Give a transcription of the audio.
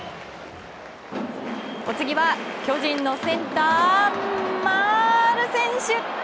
お次は巨人のセンター、丸選手。